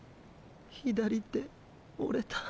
左手折れた。